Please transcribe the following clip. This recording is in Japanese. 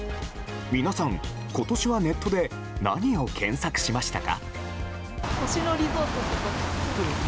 皆さん、今年はネットで何を検索しましたか？